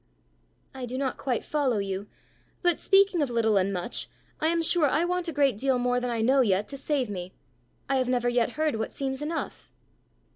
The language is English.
"I do not quite follow you. But speaking of little and much, I am sure I want a great deal more than I know yet to save me. I have never yet heard what seems enough."